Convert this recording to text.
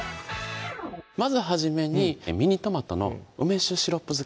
まず初めに「ミニトマトの梅酒シロップ漬け」